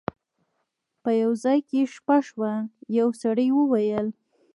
په یو ځای کې یې شپه شوه یو سړي وویل.